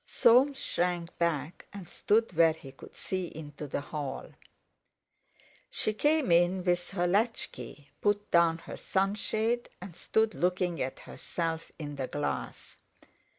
Soames shrank back and stood where he could see into the hall. She came in with her latch key, put down her sunshade, and stood looking at herself in the glass.